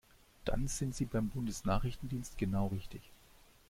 Dann sind Sie beim Bundesnachrichtendienst genau richtig!